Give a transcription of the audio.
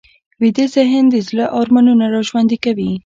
ویده ذهن د زړه ارمانونه راژوندي کوي